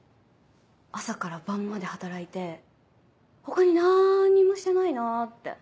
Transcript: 朝から晩まで働いて他になんにもしてないなって。